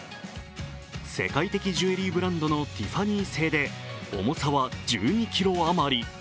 世界的ジュエリーブランドのティファニー製で重さは１２ｋｇ余り。